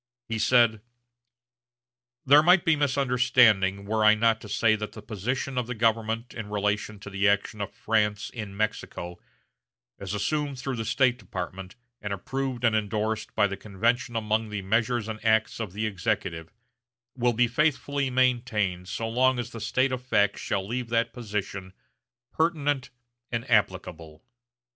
He said: "There might be misunderstanding were I not to say that the position of the government in relation to the action of France in Mexico, as assumed through the State Department and approved and indorsed by the convention among the measures and acts of the Executive will be faithfully maintained so long as the state of facts shall leave that position pertinent and applicable."